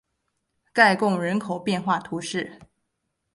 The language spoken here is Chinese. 盖贡人口变化图示